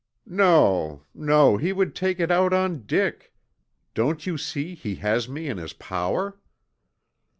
"No, no. He would take it out on Dick. Don't you see he has me in his power?"